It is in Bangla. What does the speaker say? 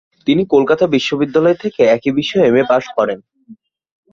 তিনি কলকাতা বিশ্ববিদ্যালয় থেকে একই বিষয়ে এম.এ পাস করেন।